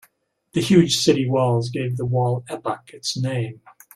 The huge city walls gave the wall epoch its name.